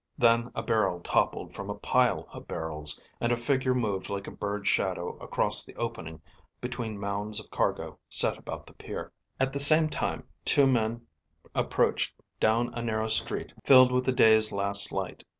Then a barrel toppled from a pile of barrels, and a figure moved like a bird's shadow across the opening between mounds of cargo set about the pier. At the same time two men approached down a narrow street filled with the day's last light.